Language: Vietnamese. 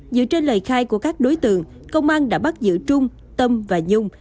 dựa trên lời khai của các đối tượng công an đã bắt giữ trung tâm và nhung